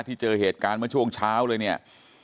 ที่เจอเหตุการณ์มาช่วงเช้าเลยเนี่ย